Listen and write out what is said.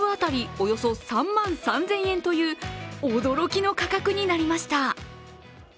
およそ３万３０００円という驚きの価格になりました。